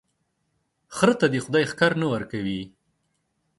خره ته دي خداى ښکر نه ور کوي،